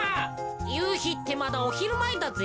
ゆうひってまだおひるまえだぜ。